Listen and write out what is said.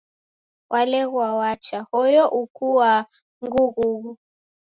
Waleghwa wacha hoyo ukuaa ngughughu.